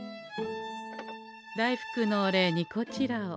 大福のお礼にこちらを。